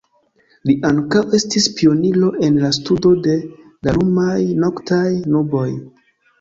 Li ankaŭ estis pioniro en la studo de la lumaj noktaj nuboj.